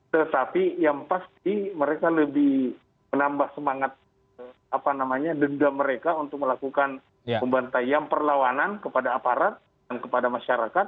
tetapi yang pasti mereka lebih menambah semangat apa namanya dendam mereka untuk melakukan pembantai yang perlawanan kepada aparat dan kepada masyarakat